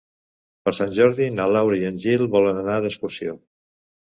Per Sant Jordi na Laura i en Gil volen anar d'excursió.